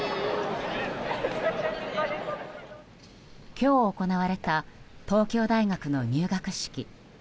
今日行われた東京大学の入学式。